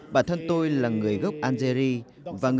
bản thân tôi là người gốc algerie